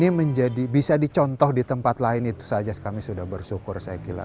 ini menjadi bisa dicontoh di tempat lain itu saja kami sudah bersyukur saya kira